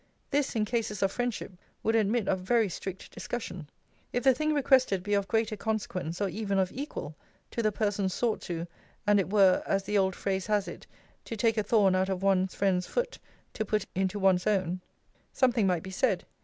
This, in cases of friendship, would admit of very strict discussion. If the thing requested be of greater consequence, or even of equal, to the person sought to, and it were, as the old phrase has it, to take a thorn out of one's friend's foot to put in into one's own, something might be said.